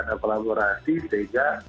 ada kolaborasi sehingga